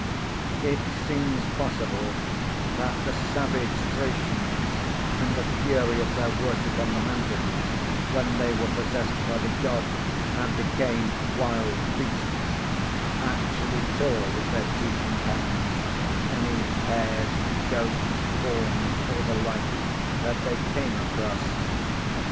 It seems possible that the savage Thracians, in the fury of their worship on the mountains, when they were possessed by the God and became "wild beasts," actually tore with their teeth and hands any hares, goats, fawns, or the like that they came across.